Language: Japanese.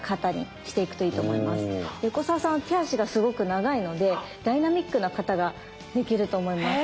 横澤さんは手足がすごく長いのでダイナミックな形ができると思います。